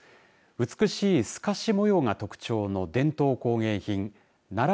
美しい透かし模様が特徴の伝統工芸品奈良